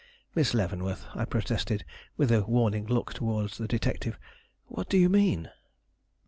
"Miss Leavenworth," I protested, with a warning look toward the detective, "what do you mean?"